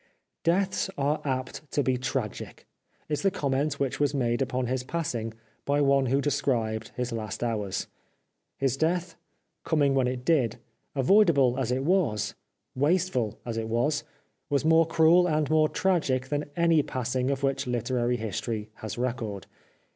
" Deaths are apt to be tragic," is the comment which was made upon his passing by one who described his last hours. His death, coming when it did, avoidable as it was, wasteful as it was, was more cruel and more tragic than any passing of which literary history has record.